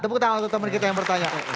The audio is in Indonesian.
tepuk tangan untuk teman kita yang bertanya